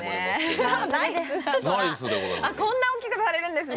こんな大きく出されるんですね。